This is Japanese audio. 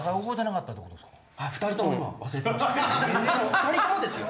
２人ともですよ。